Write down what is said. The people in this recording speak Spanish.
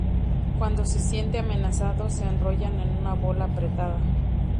Cuando se siente amenazado, se enrollan en una bola apretada.